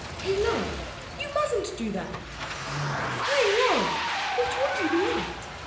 'Hey, Love, you mustn't do that! Hi, Love, what would you be at?